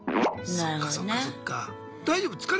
そっかそっかそっか。